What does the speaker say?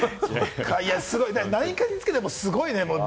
何かにつけてすごいね。